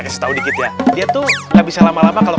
pasti begitu ya kan